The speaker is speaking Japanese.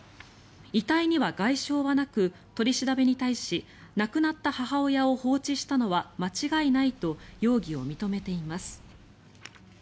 遺体には外傷はなく取り調べに対し亡くなった母親を放置したのは間違いないと容疑を認めています。